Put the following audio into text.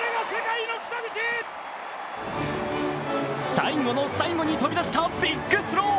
最後の最後に飛び出したビッグスロー！